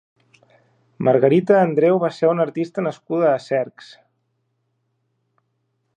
Margarita Andreu va ser una artista nascuda a Cercs.